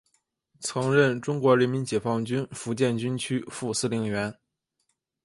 曾任中国人民解放军福建军区副司令员。